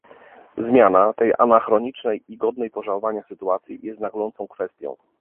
Zmiana tej anachronicznej i godnej pożałowania sytuacji jest naglącą kwestią